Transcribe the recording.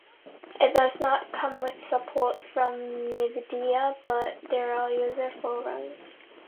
It does not come with support from Nvidia, but there are user forums.